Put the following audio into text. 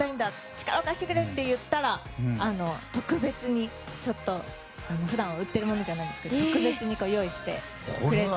力を貸してくれって言ったら特別に普段は売っているものじゃないんですけど特別に用意してくれて。